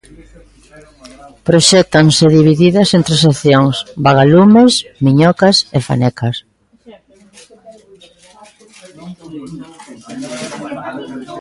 Proxéctanse divididas en tres seccións: Vagalumes, Miñocas e Fanecas.